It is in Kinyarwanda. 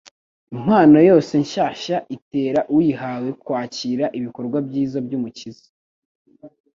Impano yose nshyashya itera uyihawe kwakira ibikorwa byiza by'Umukiza.